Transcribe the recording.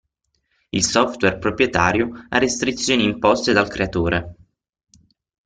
Il software proprietario ha restrizioni imposte dal creatore.